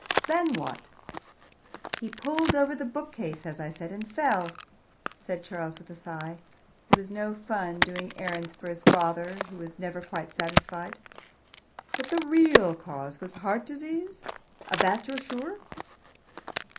"Then what?" "He pulled over the bookcase, as I said, and fell," said Charles, with a sigh. It was no fun doing errands for his father, who was never quite satisfied. "But the real cause was heart disease? Of that you're sure?"